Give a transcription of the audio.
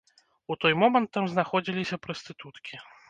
У той момант там знаходзіліся прастытуткі.